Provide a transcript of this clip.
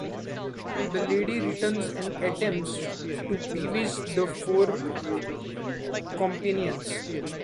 The Lady returns and attempts to bewitch the four companions.